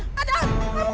saya pengen royal